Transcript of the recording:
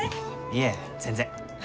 いえ全然。